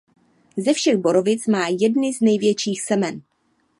Ze všech borovic má jedny z největších semen.